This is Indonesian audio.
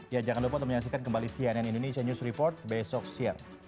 ya jangan lupa untuk menyaksikan kembali cnn indonesia news report besok siang